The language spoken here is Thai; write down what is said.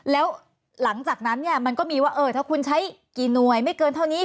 แล้วหลังจากนั้นเนี่ยมันก็มีว่าถ้าคุณใช้กี่หน่วยไม่เกินเท่านี้